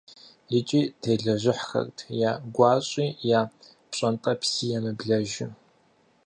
ИкӀи телэжьыхьхэрт я гуащӀи, я пщӀэнтӀэпси емыблэжу.